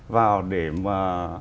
vào để mà